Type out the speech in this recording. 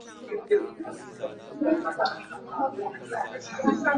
A meithal kha aa ngiat aa ngiat i ṭhuro kha tla lakin a kah.